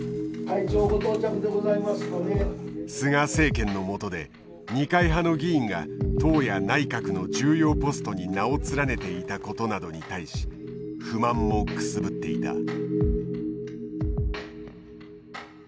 菅政権の下で二階派の議員が党や内閣の重要ポストに名を連ねていたことなどに対し不満もくすぶっていた。